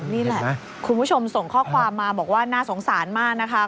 นี่แหละคุณผู้ชมส่งข้อความมาบอกว่าน่าสงสารมากนะคะ